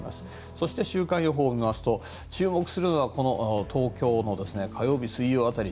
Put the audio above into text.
そして週間予報を見ると注目するのは東京の火曜、水曜辺り。